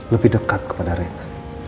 lebih dekat kepada rena